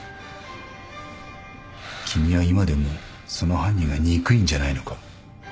君は今でもその犯人が憎いんじゃないのか？